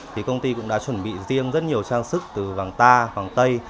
thì công ty cũng đã chuẩn bị riêng rất nhiều trang sức từ vàng ta vàng tây